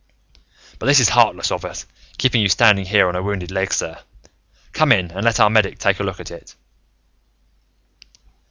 "But this is heartless of us, keeping you standing here on a wounded leg, sir. Come in, and let our medic take a look at it."